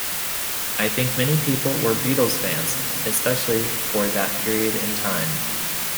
I think many people were Beatles fans, especially for that period in time.